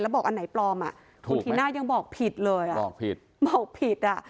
แล้วบอกอันไหนปลอมอ่ะคุณทีน่ายังบอกผิดเลยบอกผิดบอกผิด